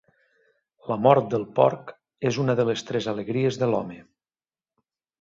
La mort del porc és una de les tres alegries de l'home.